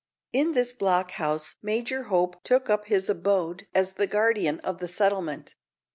In this block house Major Hope took up his abode as the guardian of the settlement.